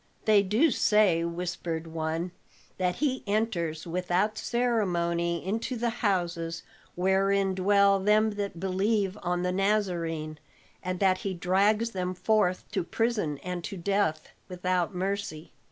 "They do say," whispered one, "that he enters without ceremony into the houses wherein dwell them that believe on the Nazarene, and that he drags them forth to prison and to death without mercy."